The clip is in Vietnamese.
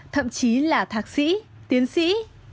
thậm chí là thạc sĩ tiến sĩ